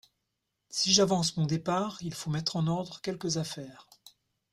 Si j’avance mon départ, il faut mettre en ordre quelques affaires.